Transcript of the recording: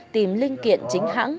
tìm linh kiện chính hãng